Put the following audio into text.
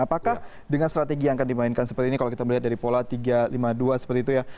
apakah dengan strategi yang akan dimainkan seperti ini kalau kita melihat dari pola tiga lima dua seperti itu ya